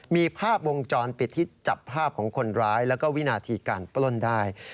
มีภาพวงจรปิดที่จับภาพของคนร้ายแล้วก็วินาทีการปล้นได้